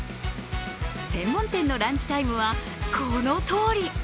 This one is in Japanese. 専門店のランチタイムはこのとおり。